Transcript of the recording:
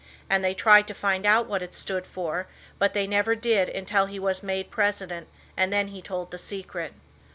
And they tried to find out what it stood for, but they never did until he was made president and then he told the secret.